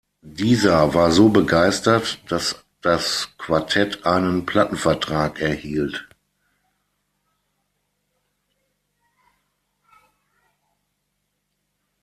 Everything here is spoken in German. Dieser war so begeistert, dass das Quartett einen Plattenvertrag erhielt.